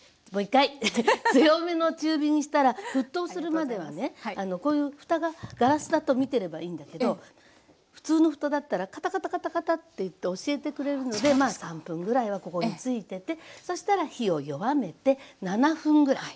強めの中火にしたら沸騰するまではねこういうふたがガラスだと見てればいいんだけど普通のふただったらカタカタカタカタっていって教えてくれるのでまあ３分ぐらいはここについててそしたら火を弱めて７分ぐらい。